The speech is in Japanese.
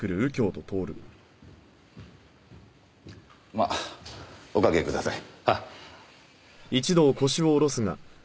まあおかけください。